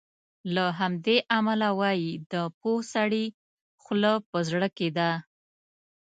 له همدې امله وایي د پوه سړي خوله په زړه کې ده.